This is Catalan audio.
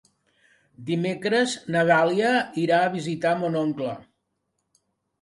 Dimecres na Dàlia irà a visitar mon oncle.